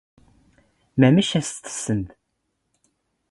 ⵎⴰⵏⵉⴽ ⴰ ⵙ ⵜⵙⵙⵏⴷ?